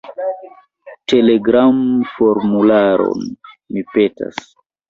Telegram-formularon, mi petas.